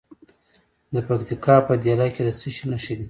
د پکتیکا په دیله کې د څه شي نښې دي؟